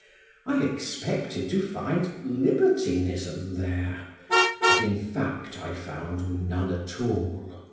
I expected to find libertinism there, but in fact I found none at all.